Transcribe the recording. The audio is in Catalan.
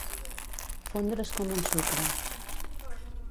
Fondre's com un sucre.